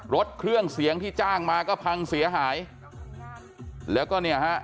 รถเครื่องเสียงที่จ้างมาก็พังเสียหายแล้วก็เนี่ยฮะ